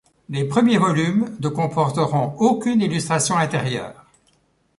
Les premiers volumes ne comporteront aucune illustration intérieure.